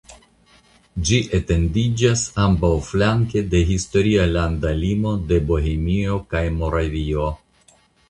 Ĝi etendiĝas ambaŭflanke de historia landa limo de Bohemio kaj Moravio.